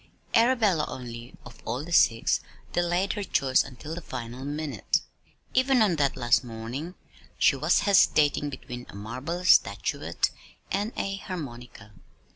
Arabella only, of all the six, delayed her choice until the final minute. Even on that last morning she was hesitating between a marble statuette and a harmonica.